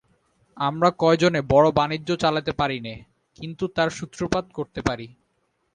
আমরা কয়জনে বড়ো বাণিজ্য চালাতে পারি নে, কিন্তু তার সূত্রপাত করতে পারি।